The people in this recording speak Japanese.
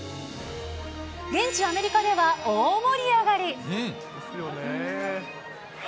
現地アメリカでは大盛り上がり。